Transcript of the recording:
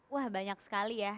wah banyak sekali ya